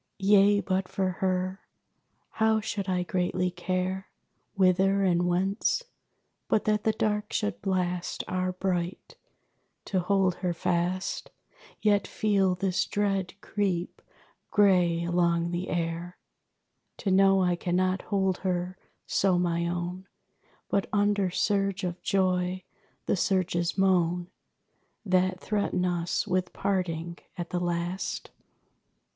Yea, but for her, how should I greatly care Whither and whence? But that the dark should blast Our bright! To hold her fast, Yet feel this dread creep gray along the air. To know I cannot hold her so my own, But under surge of joy, the surges moan That threaten us with parting at the last!